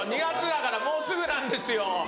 ２月だからもうすぐなんですよ。